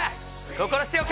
心しておけ！